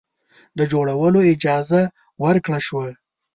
د جوړولو اجازه ورکړه شوه.